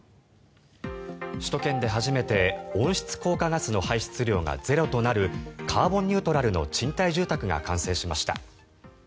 首都圏で初めて温室効果ガスの排出量がゼロとなるカーボンニュートラルの賃貸住宅が完成しました。